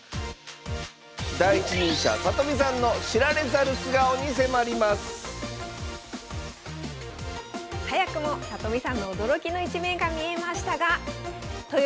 第一人者里見さんの知られざる素顔に迫ります早くも里見さんの驚きの一面が見えましたがとよ